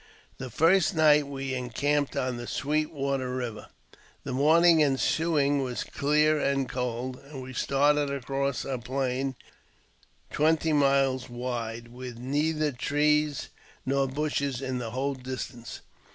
The first night we encamped on the Sweet Water Kiver. The morning ensuing was clear anc •cold, and we started across a plain twenty miles wide, with neither trees nor bushes in the whole distance.